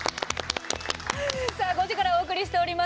５時からお送りしております